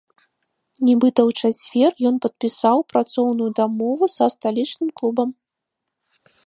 Нібыта, у чацвер ён падпісаў працоўную дамову са сталічным клубам.